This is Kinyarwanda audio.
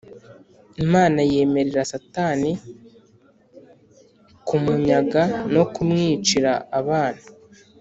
Imana yemerera Satani kumunyaga no kumwicira abana